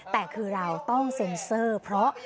แต่คือเราต้องเซ็นเซอร์เพราะ